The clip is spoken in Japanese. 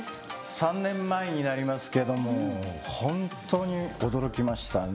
３年前になりますけどもほんとに驚きましたね。